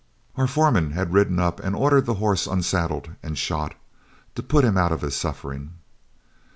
Our foreman had ridden up and ordered the horse unsaddled and shot, to put him out of his suffering.